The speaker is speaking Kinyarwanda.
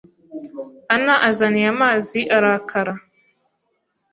Ana azaniye amazi arakara